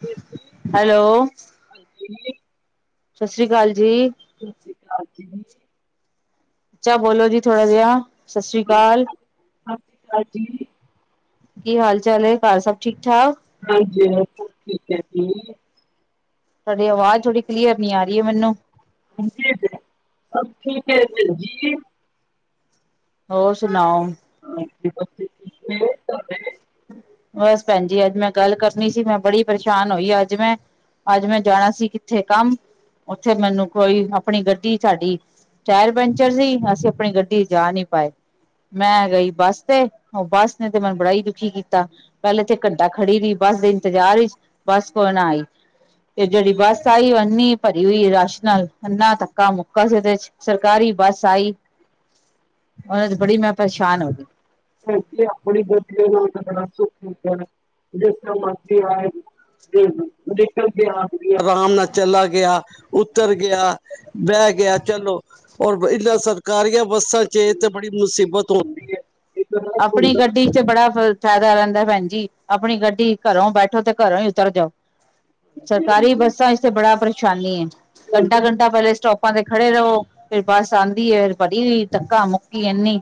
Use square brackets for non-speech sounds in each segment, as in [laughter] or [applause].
ਦੇ ਹੈਲੋ, ਹਾਂਜੀ [inaudible] ਸਤਿ ਸ੍ਰੀ ਅਕਾਲ। ਜੀ। ਵਿਕਾਸ ਜੀਨੀ [inaudible] ਉਚਾ ਬੋਲੋ ਜੀ, ਥੋੜਾ ਜਿਹਾ। ਸ੍ਰੀ ਹਾਂਜੀ, ਸਤਿ ਅਕਾਲ। ਸ੍ਰੀ ਅਕਾਲ ਜੀ। ਕੀ ਹਾਲ -ਚਾਲ ਏ ਘਰ ਸਭ ਠੀਕ? ਠਾਕ [inaudible] ਜੀ ਸਭ ਕੁਝ ਠੀਕ ਹੈ ਜੀ [inaudible] ਤੁਹਾਡੀ ਆਵਾਜ਼ ਥੋੜੀ ਕਲੀਅਰ ਨੀ ਆ ਰਹੀ ਏ, ਮੈਨੂੰ। [unintelligible] ਸਭ ਠੀਕ ਹੈ ਜੀ ਹੋਰ ਸੁਣਾਓ। [unintelligible] [unintelligible] ਬਸ ਭੈਣ ਜੀ ਅੱਜ ਮੈਂ ਗੱਲ ਕਰਨੀ ਸੀ, ਮੈਂ ਬੜੀ ਪਰੇਸ਼ਾਨ ਹੋਈ ਅੱਜ ਮੈਂ ਅੱਜ ਮੈਂ ਜਾਣਾ ਸੀ ਕਿੱਥੇ ਕੰਮ, ਉੱਥੇ ਮੈਨੂੰ ਕੋਈ ਆਪਣੀ ਗੱਡੀ ਸਾਡੀ ਟਾਇਰ ਪੈਂਚਰ ਸੀ, ਅਸੀਂ ਆਪਣੀ ਗੱਡੀ ਜਾ ਨਹੀਂ ਪਾਏ, ਮੈਂ ਗਈ ਬੱਸ ਤੇ ਉਹ ਬੱਸ ਨੇ ਤੇ ਮੈਨੂੰ ਬੜਾ ਹੀ ਕੀ ਕੀਤਾ ਪਹਿਲੇ ਤੇ ਘੰਟਾ ਖੜੀ ਰਹੀ ਬੱਸ ਦੇ ਇੰਤਜ਼ਾਰ ਵਿੱਚ ਬੱਸ ਕੋਈ ਨਾ ਆਈ ਤੇ ਜਿਹੜੀ ਬੱਸ ਆਈ ਓ ਐਨੀ ਭਰੀ ਹੋਈ ਰਸ਼ ਨਾਲ, ਇੰਨਾ ਧੱਕਾ ਮੁੱਕਾ ਸੀ ਓਦੇ ਚ, ਸਰਕਾਰੀ ਬੱਸ ਆਈ ਉਹਨਾਂ ਚ ਬੜੀ ਮੈਂ ਪਰੇਸ਼ਾਨ ਹੋ ਗਈ [unintelligible] ਆਪਣੀ ਗਲਤੀ [unintelligible] ਸ [unintelligible] ਨਿਕਲ ਗਿਆ ਆਰਾਮ ਨਾਲ ਚਲਾ ਗਿਆ ਉੱਤਰ ਗਿਆ ਬਹਿ ਗਿਆ ਚਲੋ ਔਰ ਇਹਨਾਂ ਸਰਕਾਰੀਆਂ ਬੱਸਾਂ ਚ ਏ [unintelligible] ਤੇ ਬੜੀ ਮੁਸੀਬਤ ਹੁੰਦੀ ਐ। ਆਪਣੀ ਗੱਡੀ ਚ ਬੜਾ ਫ ਫਾਇਦਾ ਰਹਿੰਦਾ ਭੈਣ ਜੀ, ਆਪਣੀ ਗੱਡੀ ਘਰੋਂ ਬੈਠੋ ਤੇ ਘਰੋਂ ਹੀ ਉਤਰ ਜਾਓ। ਸਰਕਾਰੀ ਬੱਸਾਂ ਇਸੇ ਬੜਾ ਪ੍ਰੇ ਚਾਲੇ ਐ ਘੰਟਾ -ਘੰਟਾ ਪਹਿਲੇ ਸਟੋਪ ਆਪਾਂ ਤੇ ਖੜੇ ਰਹੋ, ਫੇਰ ਬੱਸ ਆਉਂਦੀ ਐ, ਫਿਰ ਭਰੀ ਹੋਈ ਧੱਕਾ ਮੁੱਕੀ ਇੰਨੀ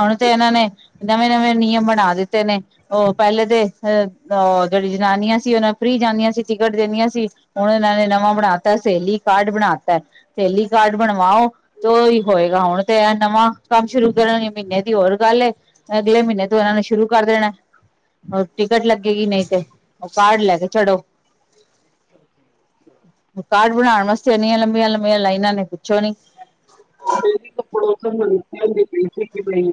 ਹੁਣ ਤੇ ਇਹਨਾਂ ਨੇ ਨਵੇਂ -ਨਵੇਂ ਨਿਯਮ ਬਣਾ ਦਿੱਤੇ ਨੇ, ਉਹ ਪਹਿਲੇ ਤੇ ਅਹ ਉਹ ਜਿਹੜੀ ਜਨਾਨੀਆਂ ਸੀ, ਉਹਨਾਂ ਫ੍ਰਰੀ ਜਾਂਦੀਆਂ ਸੀ ਟਿਕਟ ਦਿੰਦੀਆਂ ਸੀ ਹੁਣ ਇਹਨਾਂ ਨੇ ਨਵਾਂ ਬਣਾਤਾ ਸਹੇਲੀ ਕਾਰਡ ਬਣਾਤੈ ਸਹੇਲੀ ਕਾਰਡ ਬਣਵਾਓ, ਤੇ ਉਹੀ ਹੋਏਗਾ ਹੁਣ ਤੇ ਇਹ ਨਵਾਂ ਕੰਮ ਸ਼ੁਰੂ ਕਰਨ ਮਹੀਨੇ ਦੀ ਹੋਰ ਗੱਲ ਏ, ਅਗਲੇ ਮਹੀਨੇ ਤੋਂ ਇਹਨਾਂ ਨੂੰ ਸ਼ੁਰੂ ਕਰ ਦੇਣਾ, ਉਹ ਟਿਕਟ ਲੱਗੇਗੀ ਨਹੀਂ ਤੇ, ਉਹ ਕਾਰਡ ਲੈ ਕੇ ਚੜੋ ਕਾਰਡ ਬਣਾਉਣ ਵਾਸਤੇ ਇੰਨੀਆਂ ਲੰਬੀਆਂ ਲੰਬੀਆਂ ਲਾਈਨਾਂ ਨੇ ਪੁੱਛੋ ਨੀ ਮੇਰੀ ਤਾਂ ਪੜੋਸਨ ਮੇਨੂੰ ਕਹਿੰਦੀ ਪਈ ਸੀ ਕਿ ਬਈ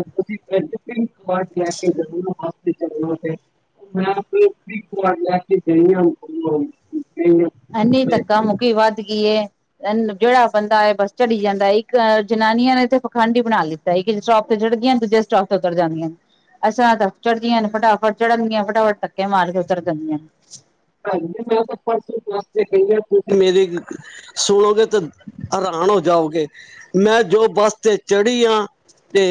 ਤੁਸੀ [unintelligible] ਕਾਰਡ ਲੈ ਕੇ ਜਾਣਾ ਬਸ ਤੇ ਚੜਨਾ ਏ ਤੇ ਮੈਂ [unintelligible] ਕਾਰਡ ਲੈ ਕੇ ਗਈ ਆ ਐਨੀ ਧੱਕਾ ਮੁਕੀ ਵਧਗੀ, ਏ ਜਿਹੜਾ ਬੰਦਾ ਹੈ ਬਸ ਚੜੀ ਜਾਂਦਾ, ਇੱਕ ਜਨਾਨੀਆਂ ਨੇ ਇੱਥੇ ਪਖੰਡ ਹੀ ਬਣਾ ਲਿੱਤਾ, ਇੱਕ ਸਟੋਪ ਤੇ ਚੜ੍ਹਦੀਆਂ ਦੂਜੇ ਸਟੋਪ ਤੇ ਉਤਰ ਜਾਂਦੀਆਂ ਨੇ, ਅਸਾਂ ਤਾਂ ਚੜ੍ਹਦੀਆਂ ਨੇ ਫਟਾਫਟ ਚੜਨਗੀਆਂ ਫਟਾਫਟ ਧੱਕੇ ਮਾਰ ਕੇ ਉਤਰ ਜਾਂਦੀਆਂ ਨੇ। ਭੈਣ ਜੀ ਮੈਂ ਤੇ ਪਰਸੋਂ ਬਸ ਤੇ ਗਈ ਆ [unintelligible] ਤੁਸੀਂ ਮੇਰੀ ਸੁਣੋਗੇ ਤੇ ਹੈਰਾਣ ਹੋ ਜਾਓਗੇ ਮੈਂ ਜੋ ਬੱਸ ਤੇ ਚੜੀ ਆ ਤੇ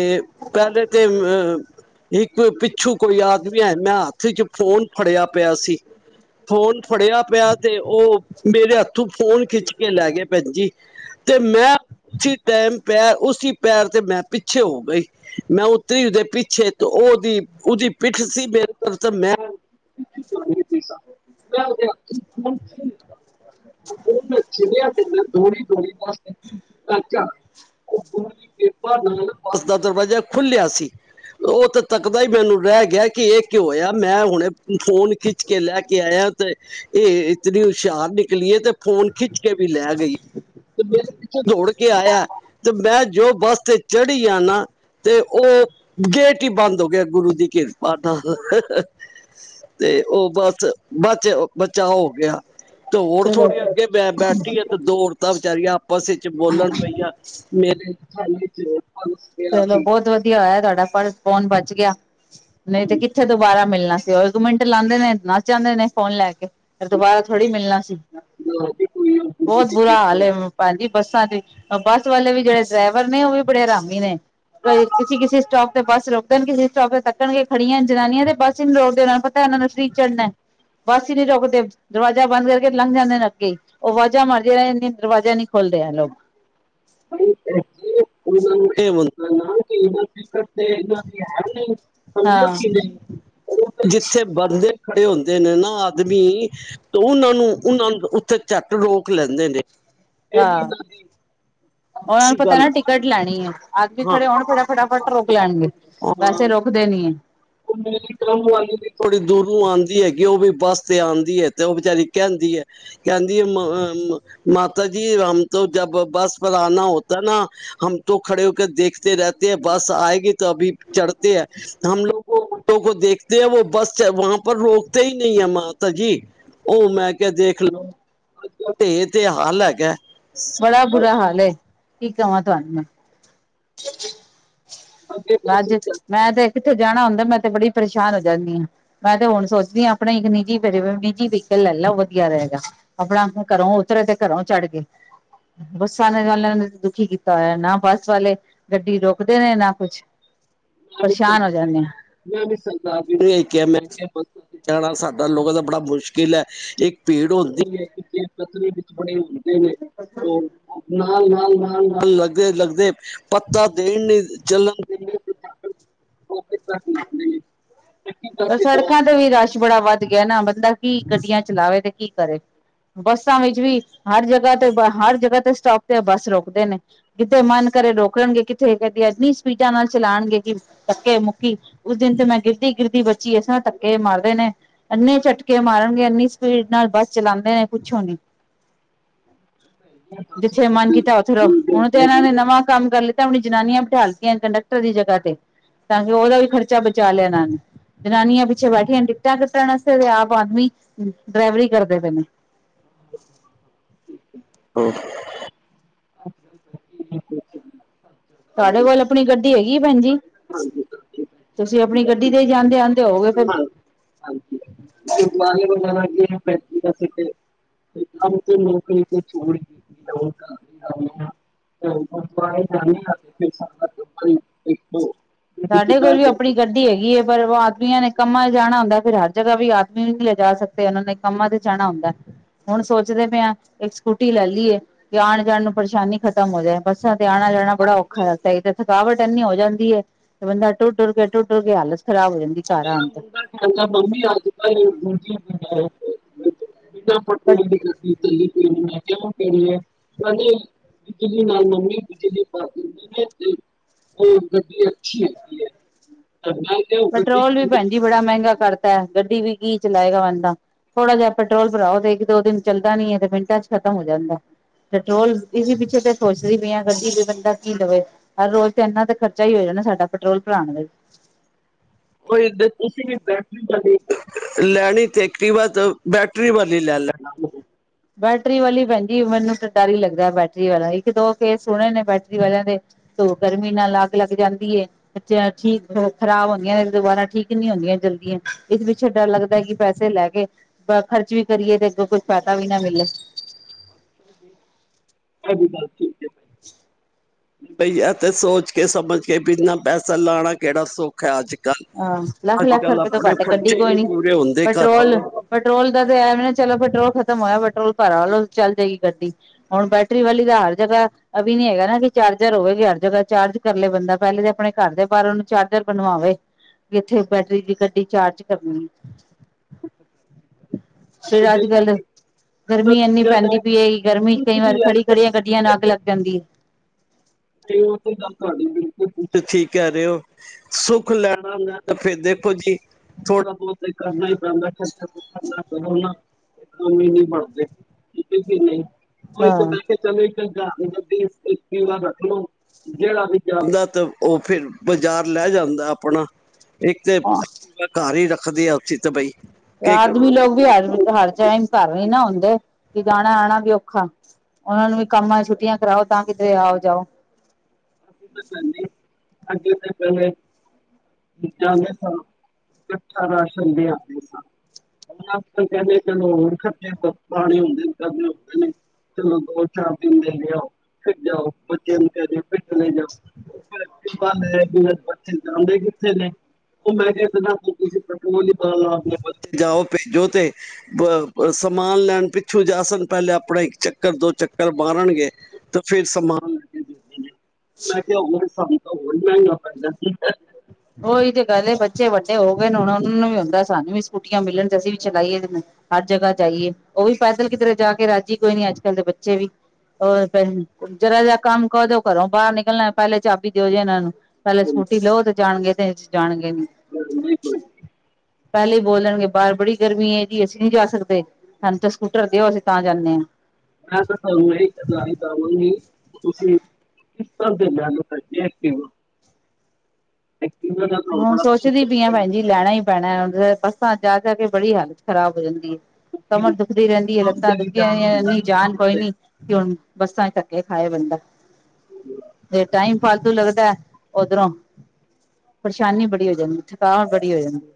ਪਹਿਲੇ ਤੇ ਅ ਇੱਕ ਪਿੱਛੂ ਕੋਈ ਆਦਮੀ ਹੈ ਮੈਂ ਹੱਥ ਚ ਫੋਨ ਫੜਿਆ ਪਿਆ ਸੀ [inaudible] ਫੋਨ ਫੜਿਆ ਪਿਆ ਤੇ, ਉਹ ਮੇਰੇ ਹੱਥ ਤੂੰ ਫੋਨ ਖਿੱਚ ਕੇ ਲੈ ਗਿਐ ਭੈਣ ਜੀ ਤੇ ਮੈਂ ਉਸੀ ਟਾਈਮ ਪੈਰ ਉਸਸੀ ਪੈਰ ਤੇ ਮੈਂ ਪਿੱਛੇ ਹੋ ਗਈ ਮੈਂ ਉੱਤਰੀ ਉਹਦੇ ਪਿੱਛੇ ਉਹਦੀ ਉਹਦੀ ਪਿੱਠ ਸੀ ਮੇਰੇ ਤਾਰਫ ਤੇ ਮੈਂ [unintelligible] [unintelligible] [unintelligible] ਤੂੜੀ ਤੂੜੀ ਬਸ [unintelligible] ਗੁਰੂ ਦੀ ਕਿਰਪਾ ਨਾਲ ਬੱਸ ਦਾ ਦਰਵਾਜ਼ਾ ਖੁੱਲਿਆ ਸੀ ਉਹ ਤੇ ਤੱਕਦਾ ਹੀ ਮੈਨੂੰ ਰਹਿ ਗਿਆ ਕਿ ਇਹ ਕਿ ਹੋਇਆ ਮੈਂ ਹੁਣੇ ਫੋਨ ਖਿੱਚ ਕੇ ਲੈ ਕੇ ਕੇ ਆਇਆ ਤੇ ਇਹ ਇਤਨੀ ਹੁਸ਼ਿਆਰ ਨਿਕਲੀਏ ਤੇ ਫੋਨ ਖਿੱਚ ਕੇ ਵੀ ਲੈ ਗਈ ਤੇ ਫੇਰ [unintelligible] ਕੇ ਆਯੈ ਤੇ ਮੈਂ ਜੋ ਬੱਸ ਤੇ ਚੜ੍ਹੀ ਆ ਨਾ ਤੇ ਔ ਗੇਟ ਹੀ ਬੰਦ ਹੋ ਗਿਆ ਗੁਰੂ ਦੀ ਕਿਰਪਾ ਨਾਲ, ਤੇ ਔ ਬੱਸ ਬਾਚ ਬੱਚਾ ਹੋ ਗਿਆ। ਤੇ ਹੋਰ ਚਲੋ ਥੋੜੀ ਅੱਗੇ ਬੈ ਬੈਠੀ ਆ ਤੇ ਦੋ ਔਰਤਾਂ ਵਿਚਾਰੀਆਂ ਆਪਸ ਇਚ ਬੋਲਣ ਪਈਆਂ ਮੇਰੇ ਸਾਈਏ [unintelligible] ਚਲੋ ਬੌਤ ਵਧੀਆ ਹੋਯਾ, ਤੁਹਾਡਾ ਪਰਸ ਫੋਨ ਬਚ ਗਿਆ। ਨਹੀਂ ਤੇ ਕਿੱਥੇ ਦੁਬਾਰਾ ਮਿਲਣ [unintelligible] ਨਾ ਸੀ, ਔ ਇੱਕ ਮਿੰਟ ਲਾਂਦੇ ਨੇ ਨੱਸ ਜਾਂਦੇ ਨੇ ਫੋਨ ਲੈ ਕੇ। ਫੇਲ ਦੁਬਾਰਾ ਥੋੜ੍ਹੀ ਮਿਲਣਾ ਸੀ ਬੌਤ ਬੁਰਾ ਹਾਲ ਏ, ਭੈਣਜੀ ਬਸ ਤਾਂ ਦੇ ਅ ਬੱਸ ਵਾਲੇ ਵੀ ਜੇੜੇ ਡਰਾਈਵਰ ਨੇ ਔ ਵੀ ਬੜੇ ਹਰਾਮੀ ਨੇ। ਫੇਰ ਕਿਸੀ ਕਿਸੀ ਸਟੋਪ ਤੇ ਬੱਸ ਰੋਕ ਦੇਣ, ਕਿਸੇ ਸਟੋਪ ਤੇ ਤੱਕਣ ਗੇ ਖੜੀਆਂ ਏਣ ਜਨਾਨੀਆਂ ਤੇ ਬੱਸ ਹੀ ਨੀ ਰੋਕਦੇ ਕਿਓਂਕਿ, ਓਨਾਂ ਨੂੰ ਪਤੈ ਏਨਾਂ ਨੇ ਫਰੀ ਚੜਨੈ, ਬੱਸ ਹੀ ਨੀ ਰੋਕਦੇ ਦਰਵਾਜ਼ਾ ਬੰਦ ਕਰਕੇ ਲੰਘ ਜਾਂਦੇ ਨੇ ਅੱਗੇ। ਔ ਵਾਜ਼ਾਂ ਮਾਰ ਦੀਆ ਰੈ ਜਾਂਦੀਆਂ ਨੇ ਦਰਵਾਜ਼ਾ ਨੀ ਖੋਲਦੇ ਐ ਲੋਗ। ਕੀ ਮੁਲ [unintelligible] ਏ ਇਨਾਂ ਦੀ ਹੈ ਈ ਨੀ ਸਮਝੇ ਔ ਹਾਂ ਕਿ ਨਹੀਂ, ਜਿੱਥੇ ਬਡਦੇ ਖੜੇ ਹੁੰਦੇ ਨੇ ਨਾ ਆਦਮੀ ਤੋ ਉਨਾਂ ਨੂੰ ਉਨਾਂ ਨੂੰ ਉੱਥੇ ਝੱਟ ਰੋਕ ਲੈਂਦੇ ਨੇ। ਏ ਵੀ ਨਾਦੀ ਔਨਾਂ ਨੂੰ ਪਤਾ ਨਾ ਟਿਕਟ ਲੈਣੀ ਏ। ਆਦਮੀ ਹਾਂ। ਖੜੇ ਹੋਣ ਫਟਾ ਫਟਾਫਟ ਰੋਕ ਲੈਣਗੇ, ਵੈਸੇ ਰੋਕਦੇ ਨੀ ਏ। ਔ ਮੇਰੀ ਕਮ ਵਾਲੀ ਵੀ ਥੋੜੀ ਦੂਰੋਂ ਆਂਦੀ ਹੈਗੀ ਏ, ਔ ਵੀ ਬੱਸ ਤੇ ਆਂਦੀ ਏ ਤੇ ਔ ਵਿਚਾਰੀ ਕੈੰਦੀ ਐ, ਕੈੰਦ [unintelligible] ਮਾਤਾ ਜੀ ਹਮ ਤੋਂ ਜਬ ਬੱਸ ਵਾਲਾ ਆਣਾ ਹੋਤੈ ਨਾ ਹਮ ਤੋਂ ਖੜੇ ਹੋ ਕੇ ਦੇਖਦੇ ਰੈਤੇ ਹੈ, ਬੱਸ ਆਏਗੀ ਤੋ ਅਭੀ ਚੜ੍ਹਤੇ ਹੈ। ਹਮ ਲੋਗ ਔਟੋ ਕੋ ਦੇਖਦੇ ਹੈ ਵੋ ਬੱਸ ਚਾਏ ਵਾਂ ਪਰ ਰੋਕਤੇ ਈ ਨਹੀਂ ਹੈ ਮਾਤਾ ਜੀ। ਔ ਮੈਂ ਕਿਆ ਦੇਖ ਲੋੋ ਅੱਜ-ਕਲ ਤੇ ਏਤੇ ਹਾਲ ਹੈਗੈ। ਬੜਾ ਬੁਰਾ ਹਾਲ ਏ। ਕੀ ਕਵਾ ਤੁਵਾਨ ਮੈਂ। ਅੱਜ ਮੈਂ ਤੇ ਕਿੱਥੇ ਜਾਣਾ ਹੁੰਦੈ ਮੈਂ ਤੇ ਬੜੀ ਪਰੇਸ਼ਾਨ ਹੋ ਜਾਂਦੀ ਆਂ, ਮੈਂ ਤੇ ਹੁਣ ਸੋਚਦੀ ਆਂ ਅਪਣਾ ਇੱਕ ਨਿੱਜੀ ਵਿਵੀਰਣ ਨਿੱਜੀ ਵੀਕਲ ਲੈ ਲਾ ਵਧੀਆ ਰਹੇਗਾ। ਅਪਣਾ ਘਰੋਂ ਉਤਰੇ ਤੇ ਘਰੋਂ ਚੜ੍ਹ ਗੇ। ਬੁੱਸਾਂ ਨੇ ਨਾਲ ਨਲ ਦੁਖੀ ਕੀਤ ਤਾਂ ਯਾ ਨਾ ਬੱਸ ਵਾਲੇ ਗੱਡੀ ਰੋਕਦੇ ਨੇ ਨਾ ਕੁਛ ਮੈਂ ਵੀਸਲ ਪਰੇਸ਼ਾਨ ਹੋ ਬਾਈ ਜਾਂਦੇ ਹਾਂ। ਮੈਂ ਵੀਸਲ ਦਾ ਅਜ ਉਵੇਂ ਈ ਕਿਐ ਮੈਂ ਬਸ ਜਾਣਾ ਸਾਡਾ ਲੋਕਾਂ ਦਾ ਬੜਾ ਮੁਸ਼ਕਿਲ ਐ, ਇੱਕ ਭੀੜ ਹੁੰਦੀ ਏ ਕਿ ਜੇਬ ਕਤਰੇ ਵਿੱਚ ਬੜੇ ਨੇ। ਨਹੀਂ ਨਹੀਂ ਔ ਅਪਣਾ ਨਾਲ ਨਾਲ ਨਾਲ ਨਾਲ ਲੱਗੇ ਲੱਗਦੇ ਪਤਾ ਦੇਣ ਨੀ ਚੱਲਣ ਦੇ [unintelligible] ਰ ਸੜਕਾਂ ਤੇ ਵੀ ਰਸ਼ ਬੜਾ ਵੱਧ ਗਿਆ ਨਾ ਬੰਦਾ ਕੀ ਗੱਡੀਆਂ ਚਲਾਵੇ ਤੇ ਕੀ ਕਰੇ ਬੱਸਾਂ ਵਿੱਚ ਵੀ ਹਰ ਜਗ੍ਹਾ ਤੇ ਬ ਹਰ ਜਗ੍ਹਾ ਤੇ ਸਟੋਪ ਤੇ ਬੱਸ ਰੋਕਦੇ ਨੇ ਕਿੱਥੇ ਮਨ ਕਰੇ ਰੋਕਣਗੇ ਕਿੱਥੇ ਕਹਿੰਦੀ ਇੰਨੀ ਸਪੀਡਾਂ ਨਾਲ ਚਲਾਉਣਗੇ ਕਿ ਪੱਕੇ ਮੁੱਕੀ ਉਸ ਦਿਨ ਤੇ ਮੈਂ ਗਿਰਦੀ ਗਿਰਦੀ ਬ ਬੱਚੀ ਇਸ ਤਰਾਂ ਧੱਕੇ ਮਾਰਦੇ ਨੇ ਇੰਨੇ ਝਟਕੇ ਮਾਰਨਗੇ ਇੰਨੀ ਸਪੀਡ ਨਾਲ ਬੱਸ ਚਲਾਉਂਦੇ ਨੇ ਪੁੱਛੋ ਨੀ ਜਿੱਥੇ ਮਨ ਕੀਤਾ ਉਥੇਰੋ ਹੁਣ ਤੇ ਇਹਨਾਂ ਨੇ ਨਵਾਂ ਕੰਮ ਕਰ ਲਤਾ ਆਪਣੀ ਜਨਾਨੀਆਂ ਬਿਠਾ ਦਿੱਤੀਆਂ ਕੰਡਕਟਰ ਦੀ ਜਗ੍ਹਾ ਤੇ ਤਾਂ ਕਿ ਉਹਦਾ ਵੀ ਖਰਚਾ ਬਚਾ ਲਿਆ ਇਹ ਨੇ ਜਨਾਨੀਆਂ ਪਿੱਛੇ ਬੈਠੀਆਂ ਨੇ ਟਿਕਟਾਂ ਕੱਟਣ ਵਾਸਤੇ ਤੇ ਆਪ ਆਦਮੀ ਡਰਾਈਵਰੀ ਕਰਦੇ ਪਏ ਨੇ ਹਮ ਅੱਛਾ ਅੱਛਾ ਤੁਹਾਡੇ ਕੋਲ ਆਪਣੀ ਗੱਡੀ ਹੈਗੀ ਭੈਣਜੀ ਤੁਸੀਂ ਆਪਣੀ ਗੱਡੀ ਤੇ ਜਾਂਦੇ ਆਦੇ ਹੋਗੇ ਫਿਰ ਗੁਰਦੁਆਰੇ ਵਣ ਲੱਗੇੈਂ ਤੇ ਕੰਮ ਤੇ ਨੌਕਰੀ ਤੇ ਚ ਗੁਰਦੁਆਰੇ ਜਾਂਦੇ ਹ ਸ ਇੱਕ ਸਾਡੇ ਕੋਲ ਵੀ ਆਪਣੀ ਗੱਡੀ ਹੈਗੀ ਹੈ ਪਰ ਉਹ ਆਦਮੀਆਂ ਨੇ ਕੰਮਾਂ ਚ ਜਾਣਾ ਹੁੰਦਾ ਫ਼ਿਰ ਹਰ ਜਗ੍ਹਾ ਵੀ ਆਦਮੀ ਵੀ ਨਹੀਂੀ ਲਿਜਾ ਸਕਦੇ ਉਹਨਾਂ ਨੇ ਕੰਮਾਂ ਤੇ ਜਾਣਾ ਹੁੰਦਾ ਹੁਣ ਸੋਚਦੇ ਪਏ ਹ ਇੱਕ ਸਕੂਟੀ ਲੈ ਲਈਏ ਤੇ ਆਉਣ ਜਾਣ ਨੂੰ ਪਰੇਸ਼ਾਨੀ ਖਤਮ ਹੋ ਜਾਏ ਬੱਸਾਂ ਤੇ ਆਉਣਾ ਲੈਣਾ ਬੜਾ ਔਖਾ ਲਗਦਾ ਏ ਏਕ ਤੇ ਥਕਾਵਟ ਏਨੀ ਹੋ ਜਾਂਦੀ ਹੈ ਬਦਾ ਟੂ ਟੁਰ ਟੂ ਟੁਰਕੇ ਆ ਉਹ ਮੇਰਾ ਮੁੰਡਾ ਖਦਾ ਮੰਮੀ ਅੱਜ ਕੱਲ ਬੀ ਪਰ ਪਟਰੋਲ ਦੀ ਗੱਡੀ ਚ ਕਿ ਪੈਣੀ ਹੈ ਪਦੇ ਬਿਜਲੀ ਨਾਲ ਮੰਮੀ ਬਿਜਲੀ ਪਾ ਦਿੰਦੀ ਨੇ ਤੇ ਉਹ ਗੱਡੀ ਅੱਛੀ ਹੈਗੀ ਹੈ ਸਪਨਾ ਆ ਗਿਆ ਹੋਊਗਾ ਚੌਲ ਵੀ ਭੈਣਜੀ ਬੜਾ ਮਹਿੰਗਾ ਕਰਤਾ ਗੱਡੀ ਵੀ ਕੀ ਚਲਾਏਗਾ ਬੰਦਾ ਥੋੜਾ ਜਹਾ ਪੈਟਰੋਲ ਭਰਾਓ ਤੇ ਇੱਕ ਦੋ ਦਿਨ ਚੱਲਦਾ ਨੀ ਹੈ ਤੇ ਮਿੰਟਾਂ ਚ ਖਤਮ ਹੋ ਜਾਂਦਾ ਪੈਟਰੋਲ ਇਸ ਪੀਛੇ ਪ ਸੋਚਦੀ ਪਈ ਆ ਗੱਡੀ ਵੀ ਬੰਦਾ ਕੀ ਲਵੇ ਹਰ ਰੋਜ਼ ਤੇ ਇਨਾ ਦਾ ਖਰਚਾ ਹੀ ਹੋ ਜਾਣਾ ਸਾਡਾ ਪੈਟਰੋਲ ਭਰਾਉਣ ਦਾ ਕੋਈ ਤੁਸੀਂ ਵੀ ਬੈਟਰੀ ਵਾਲੀ ਲੈਣੀ ਤੇ ਵ ਬੈਟਰੀ ਵਾਲੀ ਲੈ ਲੈਣਾ ਬੈਟਰੀ ਵਾਲੀ ਭੈਣ ਜ ਮੈਨੂੰ ਤਾਂ ਡਰ ਹੀ ਲੱਗਦਾ ਬੈਟਰੀ ਵਾਲਾ ਇੱਕ ਦੋ ਕੇਸ ਸੁਣੇ ਨੇ ਬੈਟਰੀ ਵਾਲਿਆਂ ਦੇ ਤ ਗਰਮੀ ਨਾਲ ਅੱਗ ਲੱਗ ਜਾਂਦੀ ਹੈ ਠੀਕ ਖਰਾਬ ਹੁੰਦੀਆਂ ਨੇ ਦੁਬਾਰਾ ਠੀਕ ਨੀ ਹੁੰਦੀਆਂ ਜਲਦੀਆਂ ਇਸ ਪਿੱਛੇ ਡਰ ਲੱਗਦਾ ਕਿ ਪੈਸੇ ਲੈ ਕੇ ਖਰਚ ਵੀ ਕਰੀਏ ਤੇ ਅੱਗੋਂ ਕੁਛ ਕਵਨਾਂ ਮਲੇ ਤੁਹਾਡੀ ਗੱਲ ਠੀਕ ਹੈ [inaudible] ਬਈ ਆ ਤੇ ਸੋਚ ਕੇ, ਸਮਝ ਕੇ, ਇਂਨਾ ਪੈਸਾ ਲਾਉਣਾ ਕਿਹੜਾ ਸੌਖਾ ਹੈ ਅੱਜ ਕੱਲ ਹਾਂ ਲੱਖ ਅੱਜ -ਲੱਖ ਕੱਲ ਰੁਪਏ ਤੋਂ ਆਪਣੇ ਘੱਟ ਗੱਡੀ ਖਰਚੇ ਕੋਈ ਨੀ, ਪੂਰੇ ਹੁੰਦੇ ਘਰਾਂ ਪੈਟਰੋਲ- ਦੇ ਪੈਟਰੋਲ ਦਾ ਤਾਂ ਇਹ ਵੀ ਨਾ ਚਲੋ ਪੈਟਰੋਲ ਖਤਮ ਹੋਇਆ, ਪੈਟਰੋਲ ਭਰਾ ਲਓ ਚੱਲ ਜਏ ਗੱਡੀ ਹੁਣ ਬੈਟਰੀ ਵਾਲੀ ਤਾਂ ਹਰ ਜਗ੍ਹਾ ਅ ਵੀ ਨੀ ਹੈਗਾ ਨਾ, ਕਿ ਚਾਰਜਰ ਹੋਵੇਗੀ ਹਰ ਜਗ੍ਹਾ ਚਾਰਜ ਕਰ ਲਏ ਬੰਦਾ ਪਹਿਲੇ ਤਾਂ ਆਪਣੇ ਘਰ ਦੇ ਬਾਹਰ ਉਹਨੂੰ ਚਾਰਜਰ ਬਣਵਾਵੇ ਇੱਥੇ ਬੈਟਰੀ ਦੀ ਗੱਡੀ ਚਾਰਜ ਕਰਨੀ ਫਿਰ ਅੱਜ -ਕੱਲ੍ਹ ਗਰਮੀ ਇਨੀ ਪੈਂਦੀ ਪਈ, ਇਹ ਗਰਮੀ ਕਈ ਵਾਰ ਖੜੀ ਖੜੀਆਂ ਕੱਢੀਆਂ ਅੱਗ ਲੱਗ ਜਾਂਦੀ ਹੈ। ਨਹੀਂ ਉਹ ਤੇ ਗ ਤੁਹਾ ਬਿਲਕੁਲ ਤੁ ਠੀਕ ਕਹਿ ਰਹੇ ਹੋ ਸੁੱਖ ਲੈਣਾ ਤੇ ਫਿਰ ਦੇਖੋ ਜੀ ਥੋੜਾ ਬਹੁਤ ਕਰਨਾ ਹੀ ਪੈਂਦਾ ਖਰਚਾ ਕੰ ਬਣ [inaudible] ਉਹੀ ਹੈ ਕੇ ਮੈ ਚਲ [inaudible] [unintelligible] ਜਿਹੜਾ ਵੀ ਜਾਂਦਾ ਤੇ, ਉਹ ਫੇਰ ਬਾਜ਼ਾਰ ਲੈ ਜਾਂਦਾ ਆਪਣਾ। ਇੱਕ ਤੇ ਹਾਂ ਐਕਟੀਵਾ ਘਰ ਰੱਖਦੀ ਆ ਉਥੀਤ ਬਈ [inaudible] ਕੀ ਆਦਮੀ ਲੋਕ ਵੀ, ਹਰ ਹਰ ਜਾ ਘਰ ਨੀ ਨਾ ਹੁੰਦੇ ਵੀ ਜਾਣਾ- ਆਉਣਾ ਵੀ ਔਖਾ, ਉਹਨਾ ਨੂੰ ਵੀ ਕੰਮਾਂ ਛੁੱਟੀਆਂ ਕਰਾਓ ਤਾਂ ਕਿਧਰੇ ਆਓ ਜਾਓ। ਪਤਾ ਨੀ [inaudible] ਅੱਗੇ ਤੇ ਪਹਿਲੇ ਜਾਂਦੇ ਸਾਂ, ਇਕੱਠਾ ਰਾਸ਼ਨ ਲਿਆਂਦੇ ਸਾਂ, ਲਾਸਟ ਚ ਕਹਿੰਦੇ ਚਲੋ ਹੋਰ ਖਰਚੇ ਪਾਣੀ ਹੁੰਦੇ ਰਹਿੰਦੇ ਨੇ, ਚਲੋ ਦੋ ਚਾਰ ਦਿਨ ਦਾ ਲਿਆਓ ਫੇਰ ਜਾਓ। ਬੱਚਿਆਂ ਨੂੰ ਕਹਿ ਦਿਓ ਫਿਰ [inaudible] ਬੱਚੇ ਜਾਂਦੇ ਕਿੱਥੇ ਨੇ ਉਹ ਮੈਂ ਕਿਹਾ ਤੁਸੀਂ ਪੈਟਰੋਲ [inaudible] ਜਾਓ [inaudible] ਭੇਜੋ ਤੇ ਸਮਾਨ ਲੈਣ ਪਿੱਛੋਂ ਜਾ ਸਨ, ਪਹਿਲੇ ਆਪਣਾ ਇੱਕ ਚੱਕਰ ਦੋ ਚੱਕਰ ਮਾਰਨਗੇ ਤੇ ਫੇਰ ਸਮਾਨ ਮੈਂ ਕਿਹਾ ਹੋਰ ਸਨ ਉਹ ਵੱਡਾ ਉਹੀ ਤੇ ਗੱਲ ਹੈ, ਬੱਚੇ ਵੱਡੇ ਹੋ ਗਏ ਨੇ, ਹੁਣ ਉਹਨਾਂ ਨੂੰ ਵੀ ਹੁੰਦਾ ਸਾਨੂੰ ਵੀ ਸਕੂਟੀਆਂ ਮਿਲਣ ਤੇ, ਅਸੀਂ ਵੀ ਚਲਾਈਏ ਹਰ ਜਗ੍ਹਾ ਜਾਈਏ ਉਹ ਵੀ ਪੈਦਲ ਕਿਧਰੇ ਜਾ ਕੇ ਰਾਜੀ ਕੋਈ ਨੀ, ਅੱਜ -ਕੱਲ ਦੇ ਬੱਚੇ ਵੀ ਉਹ ਜਰਾ ਜਿਹਾ ਕੰਮ ਕਹੋ ਘਰੋਂ ਬਾਹਰ ਨਿਕਲਣਾ, ਪਹਿਲੇ ਚਾਬੀ ਦਿਓ ਜੀ ਇਹਨਾਂ ਨੂੰ ਪਹਿਲੇ ਸਕੂਟੀ ਲਓ ਤੇ ਜਾਣਗੇ ਤੇ ਜਾਣਗੇਨੀ [inaudible] ਕੋਈ [inaudible] ਪਹਿਲੇ ਹੀ ਬੋਲਣਗੇ ਬਾਹਰ ਬੜੀ ਗਰਮੀ ਹੈ, ਜੀ ਅਸੀਂ ਨਹੀਂ ਜਾ ਸਕਦੇ ਸਾਨੂੰ ਤਾਂ ਸਕੂਟਰ ਦਿਓ, ਅਸੀਂ ਤਾਂ ਜਾਂਦੇ ਹਾਂ। ਕਿਸ ਤਰ ਦੇ ਜਾਨ ਕਰ ਵ [inaudible] ਹੁਣ ਸੋਚਦੀ ਪਈ ਆ, ਭੈਣ ਜੀ ਲੈਣਾ ਹੀ ਪੈਣਾ ਹੁਣ ਬੱਸਾਂ ਚ ਜਾ ਕੇ ਵੀ ਬੜੀ ਹਾਲਤ ਖਰਾਬ ਹੋ ਜਾਂਦੀ ਏ। ਕਮਰ ਦੁਖਦੀ ਰਹਿੰਦੀ ਹੈ, ਲੱਤਾਂ ਦੁੱਖਦੀਆਂ ਨੇ ਇੰਨੀ ਜਾਨ ਕੋਈ ਨੀ ਕੇ ਹੁਣ ਬੱਸਾਂ ਚ ਧੱਕੇ ਖਾਏ ਬੰਦਾ, ਤੇ ਟਾਈਮ ਫਾਲਤੂ ਲੱਗਦਾ ਹੈ ਓਧਰੋਂ ਪਰੇਸ਼ਾਨੀ ਬੜੀ ਹੋ ਜਾਂਦੀ, ਥਕਾਵਟ ਬੜੀ ਹੋ ਜਾਂਦੀ ਹੈ।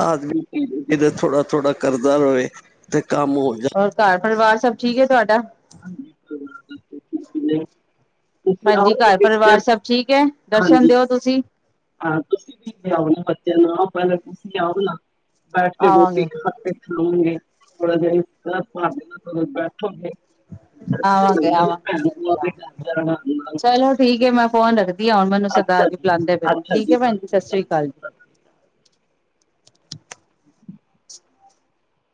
ਆਦਮੀ ਕਿ ਥੋੜਾ- ਥੋੜ੍ਹਾ ਕਰਦਾ ਰਹੇ ਤੇ ਕੰਮ ਹੋ ਹੋਰ ਘਰ ਪਰਿਵਾਰ? ਸਭ ਠੀਕ ਏ ਤੁਹਾਡਾ? ਹਾਂ [inaudible] ਹੈਲੋ ਹਾਂਜੀ ਘਰ ਪਰਿਵਾਰ ਸਭ ਠੀਕ ਹੈ ਦਰਸ਼ਨ ਦਿਓ ਤੁਸੀਂ ਹਾਂ ਤੁਸੀਂ ਵੀ ਲਿਆਓ ਨਾ ਬੱਚਿਆਂ ਨੂੰ ਪਹਿਲਾਂ ਤੁਸੀਂ ਆਓ ਨਾ ਬੈਠ ਕੇ ਰੋਟੀ ਆਵਾਂਗੇ ਘਰ ਖਾਵਾਂਗੇ ਥੋੜਾ ਜਿਹਾ ਮਾਰ ਦੇਣਾ ਬੈਠੋਗੇ ਆਵਾਂਗੇ ਆਵਾਂਗੇ ਚਲੋ ਠੀਕ ਹੈ ਮੈਂ ਫੋਨ ਰੱਖ ਆਉਣ ਮੈਨੂੰ ਸਰਦਾਰ ਜੀ ਬੁਲਾਉਂਦੇ ਪੈ ਠੀਕ ਹੈ ਭੈਣ ਜੀ ਸਤਿ ਸ੍ਰੀ ਅਕਾਲ ਜੀ